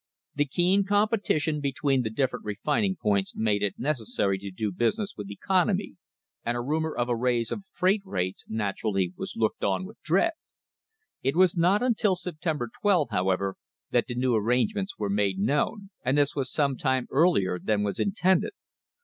The keen com petition between the different refining points made it neces sary to do business with economy, and a rumour of a raise of LAYING THE FOUNDATIONS OF A TRUST freight rates naturally was looked on with dread. It was not until September 12, however, that the new arrangements were made known, and this was some time earlier than was intended.